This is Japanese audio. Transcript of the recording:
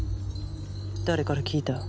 誰から聞いた？